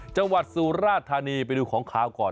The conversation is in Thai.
จังหวัดสุราธารณีไปดูของขาวก่อน